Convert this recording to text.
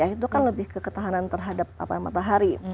itu kan lebih ke ketahanan terhadap apa yang matahari